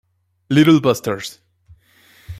Little Busters!